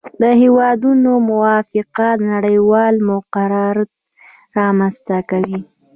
د هیوادونو موافقه نړیوال مقررات رامنځته کوي